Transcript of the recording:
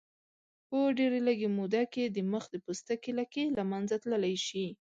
په ډېرې لږې موده کې د مخ د پوستکي لکې له منځه تللی شي.